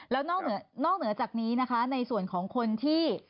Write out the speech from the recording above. แล้วนอกเหนือจากนี้ในส่วนของคนที่